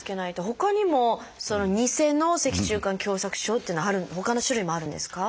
ほかにも「ニセの脊柱管狭窄症」っていうのはほかの種類もあるんですか？